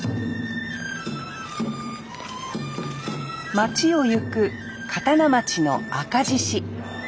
町を行く刀町の赤獅子。